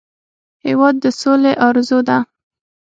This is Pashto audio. هېواد د سولې ارزو ده.